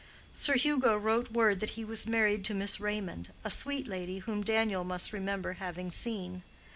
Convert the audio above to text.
Sir Hugo wrote word that he was married to Miss Raymond, a sweet lady, whom Daniel must remember having seen.